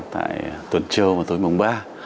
tại tuần châu tối mùng ba